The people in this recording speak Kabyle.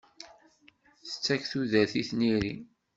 Tettak tudert i tniri.